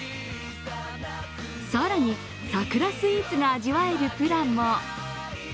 更に桜スイーツが味わえるプランも。